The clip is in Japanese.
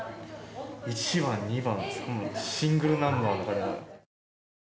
１番２番３番シングルナンバーだから。